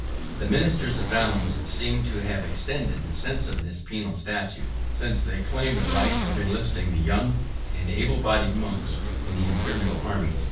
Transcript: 74 The ministers of Valens seem to have extended the sense of this penal statute, since they claimed a right of enlisting the young and ablebodied monks in the Imperial armies.